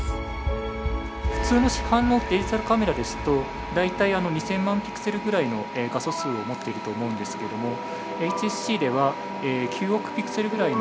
普通の市販のデジタルカメラですと大体２，０００万ピクセルぐらいの画素数を持っていると思うんですけれどもＨＳＣでは９億ピクセルぐらいの画素数を持っています。